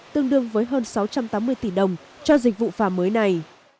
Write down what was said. tương đương với hơn sáu trăm tám mươi tỷ đồng cho dịch vụ phà mới này